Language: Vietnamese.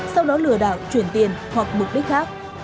sau đó lừa đảo chuyển hồ sơ